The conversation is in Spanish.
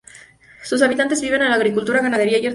Sus habitantes viven de la agricultura, ganadería y artesanía.